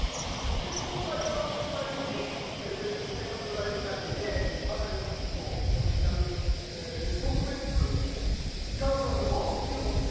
今回は番組最後にセカンドライフ内ではたけさんとオリジナル特別楽曲を披露して。